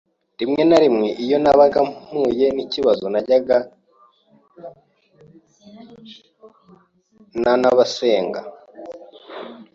Rimwe na rimwe iyo nabaga mpuye n’akabazo najyaga nanabisenga.